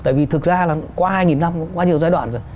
tại vì thực ra là qua hai năm có quá nhiều giai đoạn rồi